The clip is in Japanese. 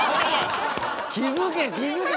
「気付け気付け！